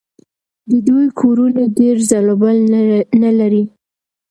د دوی کورونه ډېر ځل و بل نه لري.